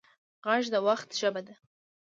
غږ د وخت ژبه ده